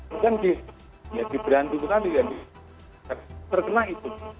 kemudian diberi hantu tadi yang terkena itu